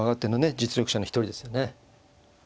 実力者の一人ですよね。